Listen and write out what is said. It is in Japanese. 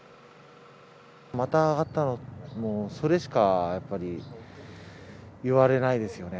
また上がったの、それしか、やっぱり言われないですよね。